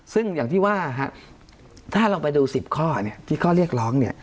ซึ่งอย่างที่ว่าถ้าเราไปดู๑๐ข้อที่ข้อเรียกร้อง